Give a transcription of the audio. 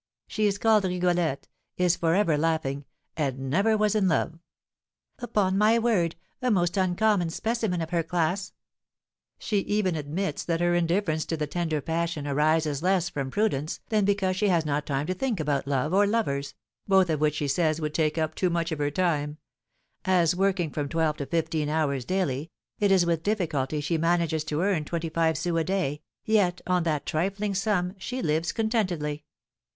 She is called Rigolette, is for ever laughing, and never was in love." "Upon my word, a most uncommon specimen of her class!" "She even admits that her indifference to the tender passion arises less from prudence than because she has not time to think about love or lovers, both of which she says would take up too much of her time; as, working from twelve to fifteen hours daily, it is with difficulty she manages to earn twenty five sous a day, yet on that trifling sum she lives contentedly."